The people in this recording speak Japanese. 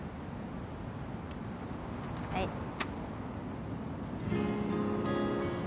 はい。